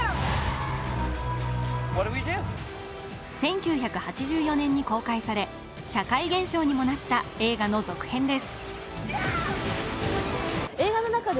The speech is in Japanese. １９８４年に公開され社会現象にもなった映画の続編です。